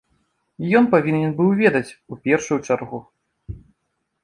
Ён павінен быў ведаць у першую чаргу.